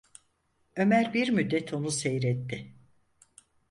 Ömer bir müddet onu seyretti.